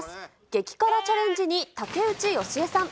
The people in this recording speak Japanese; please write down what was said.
激辛チャレンジに竹内由恵さん。